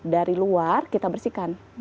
dari luar kita bersihkan